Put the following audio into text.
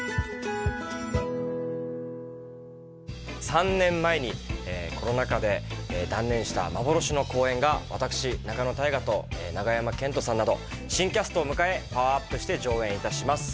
３年前にコロナ禍で断念した幻の公演が私仲野太賀と永山絢斗さんなど新キャストを迎えパワーアップして上演いたします